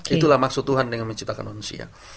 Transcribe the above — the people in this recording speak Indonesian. itulah maksud tuhan dengan menciptakan manusia